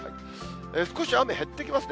少し雨減ってきますね。